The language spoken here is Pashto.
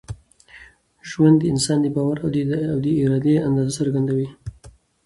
ژوند د انسان د باور او ارادې اندازه څرګندوي.